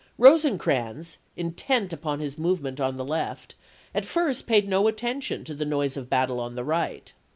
Rosecrans, intent upon his movement on the left, at first paid no attention to the noise of battle on the right.